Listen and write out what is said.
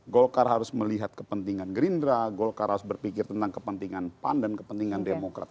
golkar harus melihat kepentingan gerindra golkar harus berpikir tentang kepentingan pan dan kepentingan demokrat